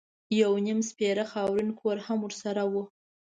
یو نیم سپېره خاورین کور هم ورسره و.